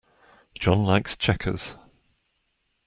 John likes checkers.